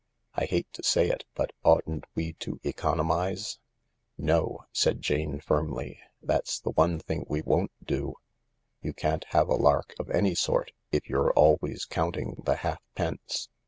I hate to say it, but oughtn't we to economise ?" "No," said Jane firmly, "that's the one thing we won't do. You can't have a lark of any sort if you're always counting the halfpence.